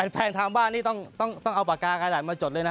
แฟนทำบ้านนี่ต้องเอาปากกาขนาดมาจดเลยนะ